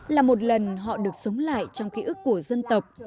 là một lần họ được sống lại trong ký ức của dân tộc